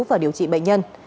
và điều trị bệnh nhân